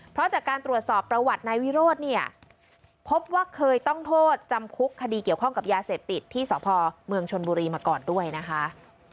เพราะจากการตรวจสอบประวัตินายวิโรธเนี่ยพบว่าเคยต้องโทษจำคุกคดีเกี่ยวข้องกับยาเสพติดที่สพเมืองชนบุรีมาก่อนด้วยนะคะ